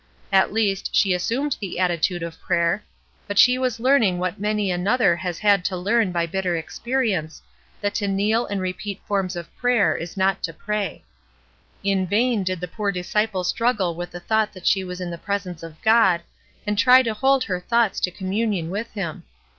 At least, she assumed the attitude of prayer ; but she was learning what many another has had to learn by bitter experience, that to kneel and repeat forms of prayer is not to pray. In vain did the poor disciple struggle with the thought that she was in the presence of God, and try to hold her thoughts to communion with him.